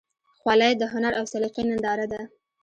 خولۍ د هنر او سلیقې ننداره ده.